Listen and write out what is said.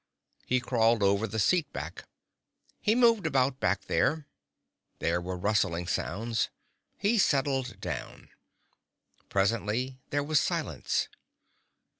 He crawled over the seat back. He moved about, back there. There were rustling sounds. He settled down. Presently there was silence.